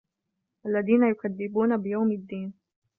الَّذينَ يُكَذِّبونَ بِيَومِ الدّينِ